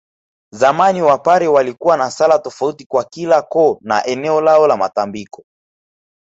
Zamani Wapare walikuwa na sala tofauti kwa kila koo na eneo lao la tambiko